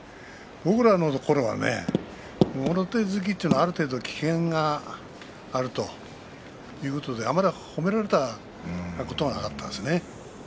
僕らのころはもろ手突きというのはある程度、危険があるということであまり褒められたことはなかったですね。